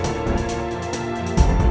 saya sudah selesai mencari